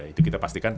itu kita pastikan